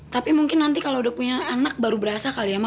tapi mungkin nanti kalau udah punya anak baru berasa kali ya